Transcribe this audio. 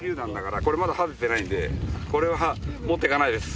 これまだ爆ぜていないのでこれは持っていかないです。